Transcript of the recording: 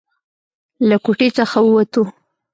له کوټې څخه ووتو.